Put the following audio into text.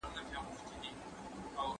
يا هغه کور ستا وړتيا نلري.